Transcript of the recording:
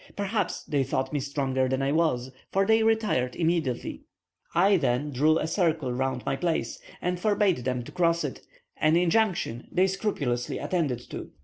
Perhaps they thought me stronger than I was, for they retired immediately. I then drew a circle round my place and forbade them to cross it, an injunction they scrupulously attended to.